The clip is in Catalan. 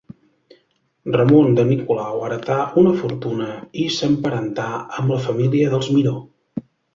Ramon de Nicolau heretà una fortuna i s'emparentà amb la família dels Miró.